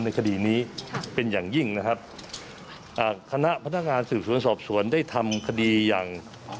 คดีนี้เป็นอย่างยิ่งนะครับอ่าคณะพนักงานสืบสวนสอบสวนได้ทำคดีอย่าง